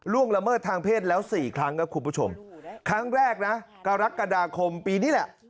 ละเมิดทางเพศแล้วสี่ครั้งครับคุณผู้ชมครั้งแรกนะกรกฎาคมปีนี้แหละ